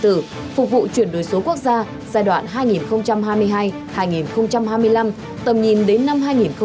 từ phục vụ chuyển đổi số quốc gia giai đoạn hai nghìn hai mươi hai hai nghìn hai mươi năm tầm nhìn đến năm hai nghìn ba mươi